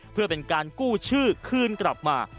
เพื่อเป็นการกู้ชื่อคืนกลับมา